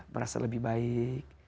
merasa lebih baik